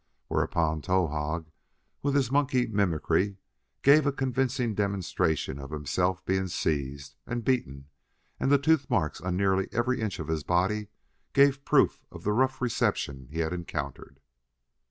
Whereupon Towahg, with his monkey mimicry, gave a convincing demonstration of himself being seized and beaten: and the tooth marks on nearly every inch of his body gave proof of the rough reception he had encountered.